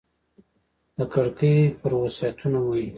د کړکۍ پر وسعتونو مې